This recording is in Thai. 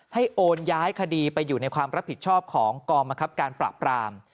ให้โอนย้ายคดีไปอยู่ในความรับผิดชอบของกรมการปรับปราม